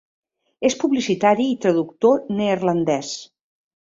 És publicitari i traductor neerlandès.